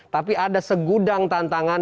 tapi ada segudang tantangan